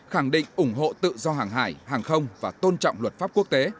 khẳng định ủng hộ tự do hàng hải hàng không và tôn trọng luật pháp quốc tế